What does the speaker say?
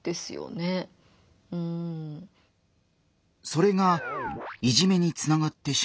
それがいじめにつながってしまう？